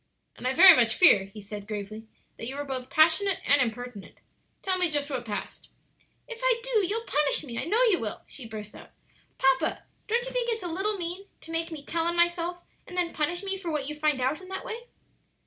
"And I very much fear," he said, gravely, "that you were both passionate and impertinent. Tell me just what passed." "If I do you'll punish me, I know you will," she burst out. "Papa, don't you think it's a little mean to make me tell on myself and then punish me for what you find out in that way?"